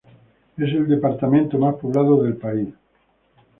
Es el departamento más poblado del país.